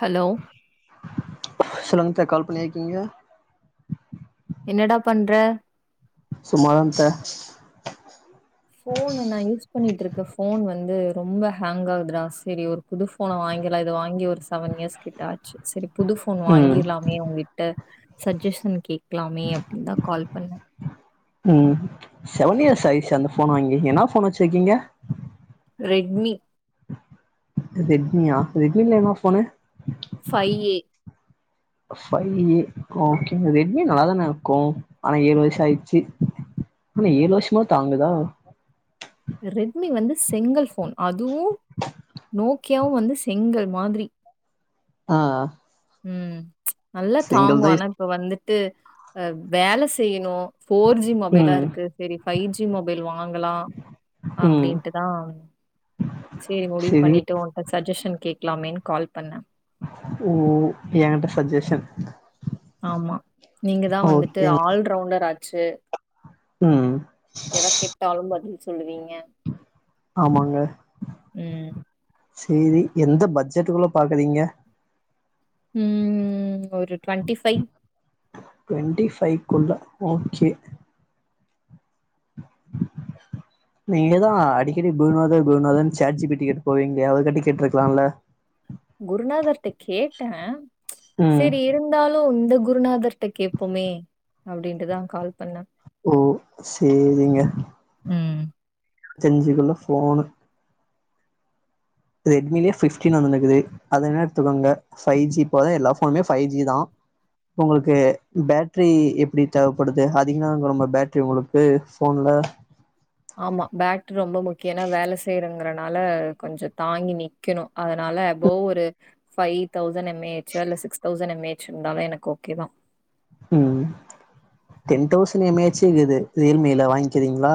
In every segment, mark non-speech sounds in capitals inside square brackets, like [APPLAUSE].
Hello சொல்லுங்கக்கா call பண்ணிருக்கீங்க என்னடா பண்ற சும்மா தான்க்கா ஃபோன் நா யூஸ் பண்ணிட்டு இருக்க ஃபோன் வந்து ரொம்ப ஹேங்க் ஆகுதுடா சரி ஒரு புது ஃபோன் வாங்கிறலா இது வாங்கி ஒரு செவன் இயர்ஸ் கிட்ட ஆச்சி செரி புது ஃபோன் ம் வாங்கீர்லாமே உங்கிட்ட சஜஷன் கேக் கலாமே அப்டின்னுதா கால் பண்ணே ம் செவன் இயர்ஸ் ஆகிருச்சா அந்த ஃபோன் வாங்கி என்ன ஃபோன் வச்சிருக்கீங்க ரெட்மி ரெட்மியா ரெட்மில என்ன phone five A five A ஓகேங்க ரெட்மி நல்லா தான இருக்கு ஆனா ஏழு வருஷோ ஆயிடுச்சி ஃபோனு ஏழு வருஷமா தாங்குதா ரெட்மி வந்து செங்கல் ஃபோன் அதுவு நோக்கியாவு வந்து செங்கல் மாதிரி ஆ ம் நல்லா சிங்கிள் தாங்கு தா ஆனா யூஸ் இப்ப வந்துட்டு ஆ வேலை செய்யணு ஃபோர் ஜி மொபைலா ம் இருக்கு செரி ஃபைவ் ஜி மொபைல் வாங்கலா ம் அப்டின்ட்டுதா செரி முடிவு பண்ணிட்டு ஒன் ட சஜெஷன் கேக்கலாமேன்னு கால் பண்ணே ஓ எங்கிட்ட சஜஷன் ஆமா நீங்க தா வந்துட்டு ஓகேங்க ஆல்ரவுண்டர் ஆச்சு ம் எத கேட்டாலும் பதில் சொல்லுவீங்க ஆமாங்க ம் சேரி எந்த பட்ஜெட்டுக்குள்ள பாக்கறீங்க ம் ஒரு டுவெண்டி ஃபை ட்வெண்ட்டி ஃபைவ்க்குள்ள ஓகே [INAUDIBLE] நீங்கதா அடிக்கடி குருநாதார் குருநாதனு சாட் ஜிபிக்கிட்ட போவீங்களே அவர்கிட்ட கேட்ருக்கலாம்ல்ல குருநாதர்ட்ட கேட்டே ம் செரி இருந்து இருந்தாலு இந்த குருநாதர்ட்ட கேப்பொமே அப்டின்ட்டுதா கால் பண்ண ஓ சேரிங்க ம் ஜெஞ்சுக்குள்ள ஃபோனு ரெட்மிலயே ஃபிப்டீன் ஒன்னு வந்ருக்குது அதுவேணா எடுத்துக்கோங்க ஃபை ஜி இப்பதா எல்லா ஃபோனுமே ஃபை ஜி தா உங்ளுக்கு பேட்ரி எப்டி தேவப்படுது அதிகமானுமா பேட்ரி உங்ளுக்கு ஃபோன்ல ஆமா பேட்ரி ரொம்ப முக்கிய ஏனா வேல செய்றங்கறனால கொஞ்ச தாங்கி நிக் க்கனும் அதனால எபோவ் ஒரு ஃபைவ் தௌசன்ட் எம் ஏ ஹச்சோ இல்ல சிக்ஸ் தௌசண்ட் எம் ஏ ஹச்சோ இருந்தாவே எனக்கு ஓகே தா ம் டென் தௌசன்ட் எம் ஏ ஹச்சேருக்குது ரியல் மீல வாங்கிறீங்களா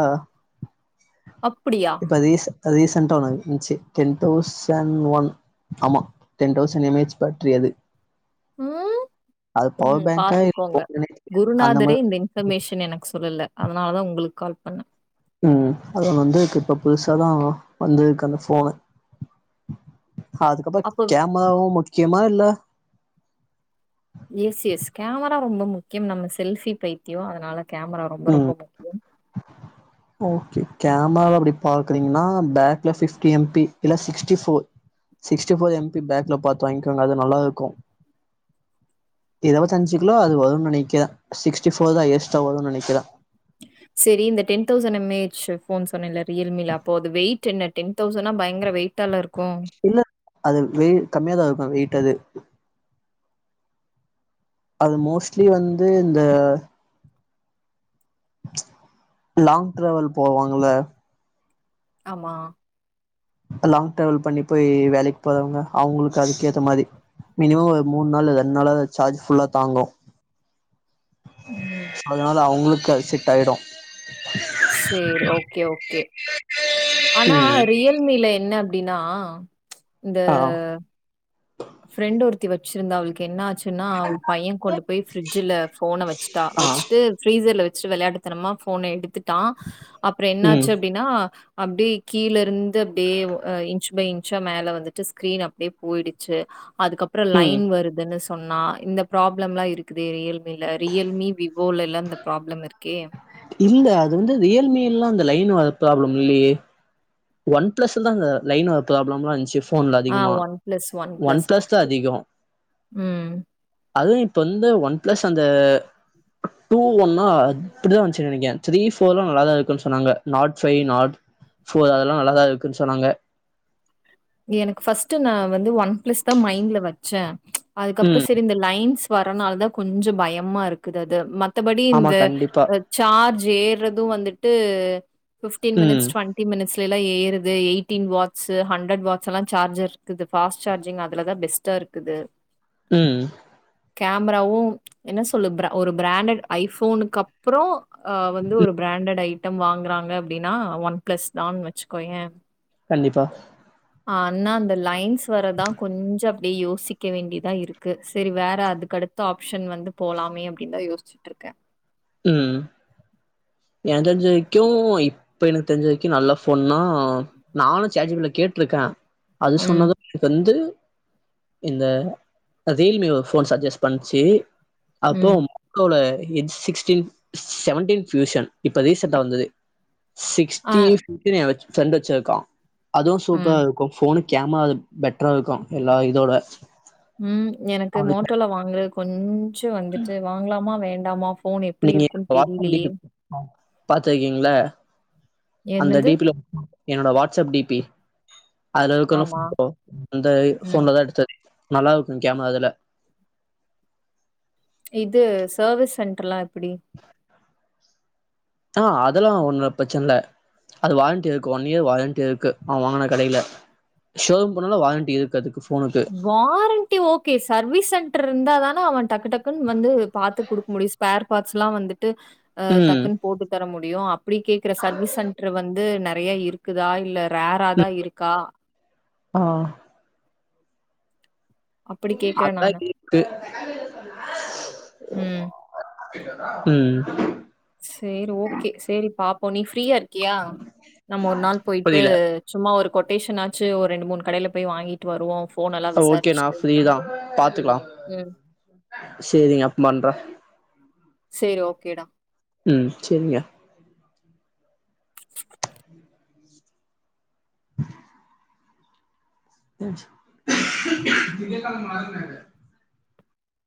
அப்டியா அது ரீச ரீசெண்ட்டா ஒனு வந்ச்சு டென் தௌசண்ட் ஒன் ஆமா ten thousand M H battery அது ம் அது பவர் ம் பேங்கா இல்ல பாத்துக்கோங்க அந்த குருநாதரே மாரி இந்த இன் ஃபர்மேஷன் எனக்கு சொல்லல அதனாலதா உங்குளுக்கு கால் பண்ணே ம் அது ஒன்னு வந்துக்கு இப்ப புதுசாதா வந்துக்கு அந்த ஃபோனு அதுக்கப்புறோ அப்போ கேமராவு முக்கியமா இல்ல எஸ் எஸ் கேமரா ரொம்ப முக்கியம் நம்ம செல்ஃபி பைத்தியோ அதனால கேமரா ரொம்ப ம் ரொம்ப முக்கியம் ஓகே கேமராவ அப்டி பாக்குறீங்கன்னா பேக்ல பிஃப்டி எம்பி இல்ல sixty four sixty four MP பேக்ல பாத்து வாங்கிகோங்க அது நல்லா இருக்கு இருபத்தஞ்சிகிலோ அது வரு நெனக்கிறே சிக்ஸ்டி ஃபோர்தா ஏஸ்டா வரு நெனைக் கிறே சரி இந்த டென் தௌசண்ட் எம்ஏஹச் ஃபோன் சொன்னேல்ல ரியல்மில அப்போ அது வெயிட் என்ன டென் தெளசண்ட்டா பயங்கர வெயிட் எவ்ளோ இருக்கு இல்ல அது வெயிட் கம்மியாதா இருக்கு வெயிட் அது அது மோஸ்ட்லி வந்து இந்த லாங் டிராவல் போவாங்ள ஆமா லாங் டிராவல் பண்ணி போய் வேலைக்கு போறவங்க அவங்களுக்கு அதுக்கு ஏத்த மாரி மினிமம் ஒரு மூணு நாள் ரெண்டு நாளாது சார்ஜ் ஃபுல்லா தாங்கு உம் அதனால அவுங்களுக்கு அது செட் ஆய்டு சேரி ஓகே ஓகே ஆனா ம் ரியல்மில என்ன அப்டின்னா இந்த ஆ ஃபிரெண்டு ஒருத்தி வச்சிருந்தா அவளுக் என்னாச்சு ன்னா பையன் கொண்டு போய் ஃபிரிட்ஜில ஃபோன வச்சுட்டா ஆ வச்சுட்டு ஃப்ரீசர்ல வச்சுட்டு விளையாட்டுத்தனமா ஃபோன எடுத்துட்டான் அப்றோ ம் என்னாச்சு அப்டினா அப்டியே கீழ இருந்து அப்டியே இன்ச்சு பை இன்ச்சா மேல வந்துட்டு ஸ்க்ரீன் அப்டியே போய்டு ச்சு அதுக்கப்புறோ ம் லைன் வருதுன்னு சொன்னா இந்த பிராப்ளலா இருக்குது ரியல் மில ரியல்மி விவோலலா இந்த பிராப்ளம் இருக்கே இல்ல அது வந்து ரியல்மிலா அந்த லைன் வர பிராப்ளம் இல்லயே ஒன் பிளஸ்லதா அந்த லைன் வர பிராப்ளம்லா இர்ன்ச்சு ஃபோன்ல ஆ அதிகுமா ஒன் பிளஸ், ஒன் பிளஸ். பிளஸ்தா அதிகோ ம். அதுவு இப்ப வந்து ஒன் பிளஸ் அந்த டூ ஒன்னா அப்புடிதா வந்ச்சு நெனைக்கே த்ரீ ஃபோர்லா நல்லாதா இருக்குன் சொன்னாங்க நாட் ஃபை நாட் இப்போ அதெல்லா நல்லாதா இருக்குன் சொன்னாங்க எனக்கு ஃபஸ்ட்டு நான் வந்து ஒன் பிளஸ்தா மைண்ட்ல வச்ச அதுக்கப்றோ ம் சரி இந்த லைன்ஸ் வர்றனாலதா கொஞ்சோ பயமா இருக்குது அது மத்தபடி ஆமா இந்த கண்டிப்பா அ சார்ஜ் ஏறது வந்துட்டு ஃபிப்டீன் ம் மினிட்ஸ் டுவெண்டி மினிட்ஸ் லலா ஏறுது எய்ட்டீன் வாட்ஸு ஹண்ரட் வா ஸுலா சார்ஜர் இருக்குது ஃபாஸ்ட் சார்ஜிங் அதுலதா பெஸ்ட்டா இருக்குது ம் கேம்ராவு என்ன சொல்லு ப்ர ஒரு பிராண்டட் ஐ ஃபோனுக்கு அப் புறோ ஆ வந்து ஒரு பிராண்டட் ஐ ட்டம் வாங்குறாங்க அப்டினா ஒன் பிளஸ்தான் வச்சுக்கோய கண்டிப்பா ஆனா அந்த லைன்ஸ் வரதா கொஞ்சோ அப்டியே யோசிக்க வேண்டியதா இருக்கு சரி வேற அதுக்கடு த்த ஆப்ஷன் வந்து போலாமே அப்டின்தா யோச்சுட்ருக்க ம் எனக்கு தெரிஞ்ச வரைக்கு இப்போ எனக்கு தெரிஞ்ச வரைக்கு நல்ல ஃபோன்னா நானு சேட் ஜி பி டி ல கேட்ருக்க அது ம், சொன்னது வந்து இந்த அ ரியல்மில ஒரு ஃபோன் சஜெஸ் பண்ச்சு அப்றோ ம். மோட்டோல H sixteen seventeen fusion இப்ப ரீசன்ட்டா வந்தது ஆ, சிக்ஸ்டி ஃபியூசர் ஏன் ஃபிரெண்டு வச்சிருக்கான் அதுவு ம், சூப்பரா இருக்கு ஃபோன்னு கேமரா அது பெட்ரா இருக்கு எல்லா இதோட ம் எனக்கு அதுக்கு மோட்டோல வாங்கறது கொஞ்சோ வந்துட்டு வாங்கலாமா வேண்டாமா ஃபோனே நீங்க வாட்ஸ்அப் டி பி ல பா பார்த்துருக்கீங்ளா அந்த என்னது? டீப்பில என்னோட வாட்ஸ்அப் டி பி அதுல இருக்குல [UNINTELLIGIBLE] ஆமா. ஃபோட்டோ அந்த ம். ஃபோன்லதா எடுத்தது நல்லா இருக்கு கேமரா அதுல இது சர்வீஸ் சென்ட்ருலா எப்டி [INAUDIBLE] ஆ அதுல்லா ஒன்னுல பிரச்சன்ல அது வாரண்ட்டி இருக்கு ஒன் இயர் வாரண்ட்டி இருக்கு நான் வாங்குன கடைல ஷோரூம் போனாலு வாரண்ட்டி இருக்கு அதுக்கு ஃபோனுக்கு வாரண்டி ஓகே சர்வீஸ் சென்ட்ரு இருந்தாதான அவன் டக்கு டக்குன் வந்து பாத்து குடுக்குமுடியு ஸ்பேர் பாட்ஸுலா வந்துட்டு ஆ ம் டக்குன் போட்டு தர முடியு அப்டி கேக்குற சர்வீஸ் சென்ட்ரு வந்து நெறைய இருக்குதா இல்ல ரேராதா ம் இருக்கா ஆ அப்படி கேட்கிறேன் அதா நானு. இருக்கு ம். ம் சேரி ஓகே சேரி பாப்போ நீ ஃப்ரீயா இருக்கியா நம்ம ஒரு நாள் போயிட்டு புரியல சும்மா ஒரு கொட்டேஷன்னாச்சு ஒரு ரெண்டு மூணு கடையில போய் வாங்கி ட்டு வருவோ ஃபோன் எல்லா ஓகேண்ணா விசாரிச்சுட்டு ஃப்ரீ தான் பாத்துக்கலாம் ம் சேரிங்க அப்ம் பண்ற சேரி ஓகேடா ம் சேரிங்க இதாங்க மாறுனது